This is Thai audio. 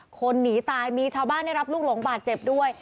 คนหนีตายมีชาวบ้านได้รับลูกหลงบาดเจ็บด้วย